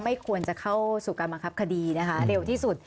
ไม่ควรจะเข้าสู่การบังคับคดีนะคะเร็วที่สุด